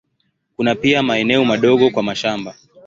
Kuna pia maeneo madogo kwa mashamba.